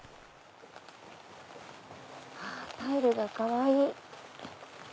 タイルがかわいい。